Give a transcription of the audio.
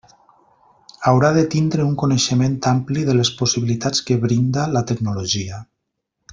Haurà de tindre un coneixement ampli de les possibilitats que brinda la tecnologia.